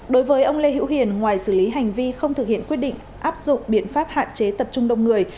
đối với ông lê hữu hiền ngoài xử lý hành vi không thực hiện quyết định áp dụng biện pháp hạn chế tập trung đông người